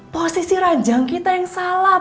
posisi rajang kita yang salah